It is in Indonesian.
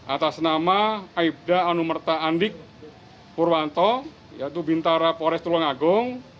atas nama aibda anumerta andik purwanto yaitu bintara pores tulung agung